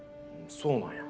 そうなんや。